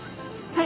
はい。